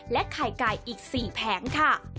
ไข่ไก่อีก๔แผงค่ะ